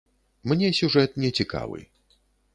Мне сюжэт не цікавы.